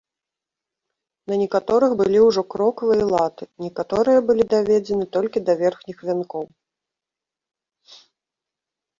На некаторых былі ўжо кроквы і латы, некаторыя былі даведзены толькі да верхніх вянкоў.